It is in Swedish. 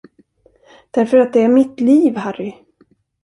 Därför att det är mitt liv, Harry!